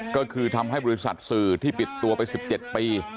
ก็คือทำให้บริษัทสื่อที่ปิดตัวไป๑๗ปี